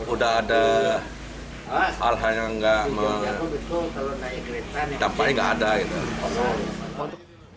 udah ada hal hal yang nggak ada gitu